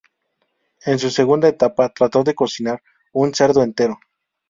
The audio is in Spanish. En su segunda etapa, trató de cocinar un cerdo entero.